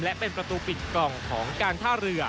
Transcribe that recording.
และเป็นประตูปิดกล่องของการท่าเรือ